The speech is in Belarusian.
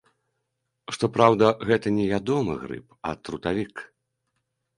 Што праўда, гэта не ядомы грыб, а трутавік.